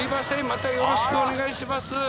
またよろしくお願いします。